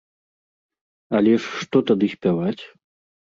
Але ж што тады спяваць?